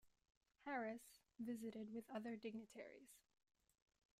Harris, visited with other dignitaries.